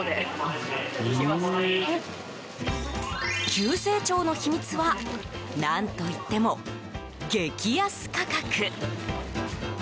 急成長の秘密は何といっても激安価格。